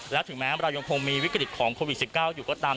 และถึงแม้เรายังคงมีวิกฤตของโควิด๑๙อยู่ก็ตาม